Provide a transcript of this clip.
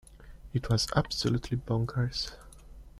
It was absolutely bonkers.